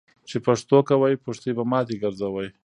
چی پښتو کوی ، پښتي به ماتی ګرځوي .